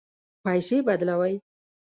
پیسې بدلوئ؟